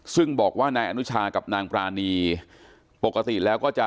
ซึ่งบอกว่านายอนุชากับนางปรานีปกติแล้วก็จะ